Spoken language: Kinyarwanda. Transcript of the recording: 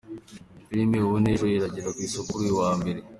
Filime “Ubu n’ejo” iragera ku isoko kuri uyu wa mbere